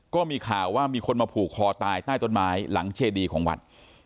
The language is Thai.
ก็มีข่าวว่ามีคนมาผูกคอตายใต้ต้นไม้หลังเจดีของวัด